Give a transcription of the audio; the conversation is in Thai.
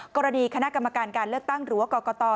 กรณีคณะกรรมการการเลือกตั้งหรือว่ากรกต